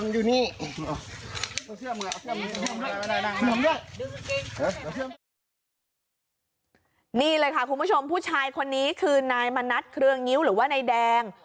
นี่เลยค่ะคุณผู้ชมผู้ชายคนนี้คือนายมณัฐเครื่องงิ้วหรือว่านายแดง